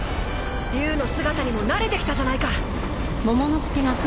龍の姿にも慣れてきたじゃないか。